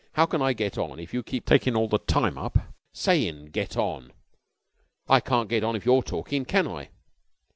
"How can I get on if you keep takin' all the time up sayin' get on? I can't get on if you're talkin', can I?"